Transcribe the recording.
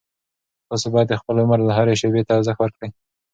تاسو باید د خپل عمر هرې شېبې ته ارزښت ورکړئ.